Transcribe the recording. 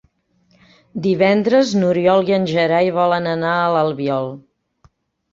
Divendres n'Oriol i en Gerai volen anar a l'Albiol.